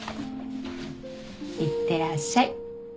いってらっしゃい。